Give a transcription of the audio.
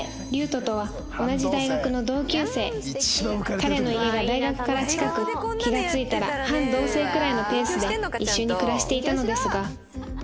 彼の家が大学から近く気が付いたら半同棲くらいのペースで一緒に暮らしていたのですが